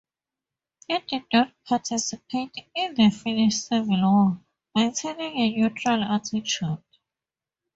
He did not participate in the Finnish Civil War, maintaining a neutral attitude.